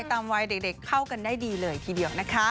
ตามวัยเด็กเข้ากันได้ดีเลยทีเดียวนะคะ